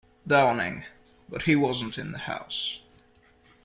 Downing, but he wasn't in the house.